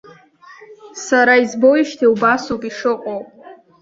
Сара избоижьҭеи убасоуп ишыҟоу.